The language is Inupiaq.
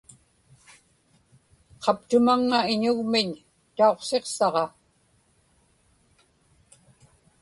qaptumaŋŋa iñugmiñ tauqsiqsaġa